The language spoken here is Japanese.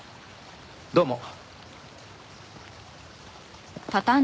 どうも。